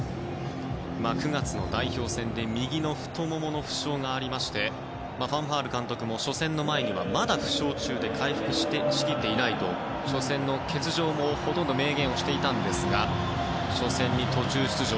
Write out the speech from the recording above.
９月の代表戦で右の太ももの負傷がありましてファンハール監督も初戦の前にはまだ負傷中で回復しきっていないと初戦の欠場も明言していましたが初戦に途中出場。